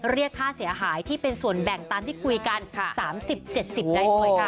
เรียกค่าเสียหายที่เป็นส่วนแบ่งตามที่คุยกัน๓๐๗๐ได้ด้วยค่ะ